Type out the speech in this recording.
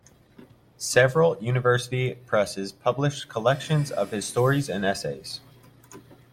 Several university presses published collections of his stories and essays.